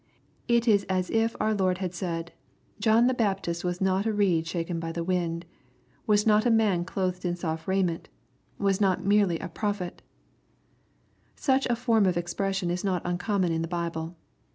It is as if our Lord had said, *' John the Baptist was not a reed shaken by the wind/' — "was not a man clothed in soft raiment," — "was not merely a prophet" — Such a form of expression is not uncommon in the Bible.